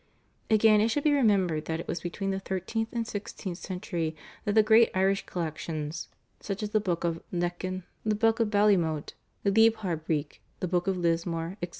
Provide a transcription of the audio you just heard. Again it should be remembered that it was between the thirteenth and sixteenth centuries that the great Irish collections such as the Book of Lecan, the Book of Ballymote, the Leabhar Breac, the Book of Lismore, etc.